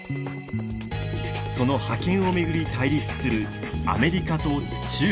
その覇権を巡り対立するアメリカと中国。